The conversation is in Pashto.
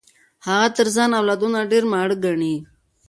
هغه تر ځان اولادونه ډېر ماړه ګڼي.